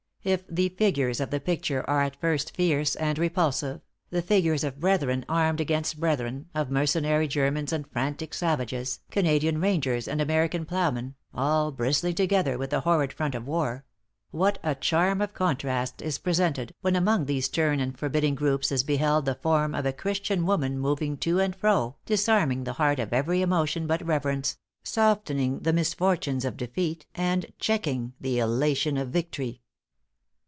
"If the figures of the picture are at first fierce and repulsive the figures of brethren armed against brethren, of mercenary Germans and frantic savages, Canadian rangers and American ploughmen, all bristling together with the horrid front of war what a charm of contrast is presented, when among these stern and forbidding groups is beheld the form of a Christian woman moving to and fro, disarming the heart of every emotion but reverence, softening the misfortunes of defeat, and checking the elation of victory!"